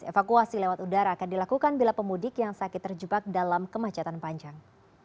evakuasi lewat udara akan dilakukan bila pemudik yang sakit terjebak dalam kemacetan panjang